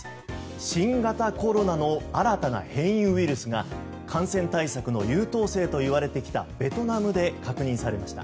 新型コロナの新たな変異ウイルスが感染対策の優等生といわれてきたベトナムで確認されました。